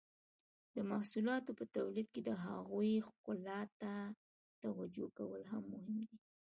د محصولاتو په تولید کې د هغوی ښکلا ته توجو کول هم مهم دي.